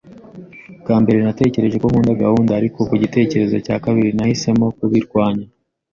Ubwa mbere natekereje ko nkunda gahunda, ariko ku gitekerezo cya kabiri nahisemo kubirwanya.